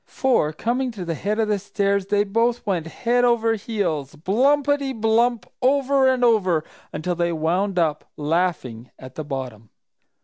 For coming to the head of the stairs, they both went head over heels, "blumpity, blump!" over and over, until they wound up, laughing, at the bottom.